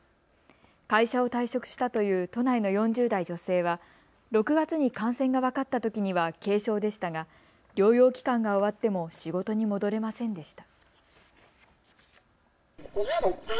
会社を退職したという都内の４０代女性は、６月に感染が分かったときには軽症でしたが療養期間が終わっても仕事に戻れませんでした。